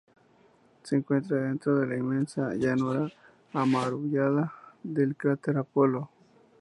Se encuentra dentro de la inmensa llanura amurallada del cráter Apolo.